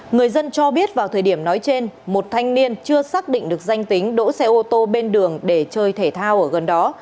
người dân cho biết vào thời điểm nói trên một thanh niên chưa xác định được danh tính đỗ xe ô tô bên đường để chơi thể thao ở gần đó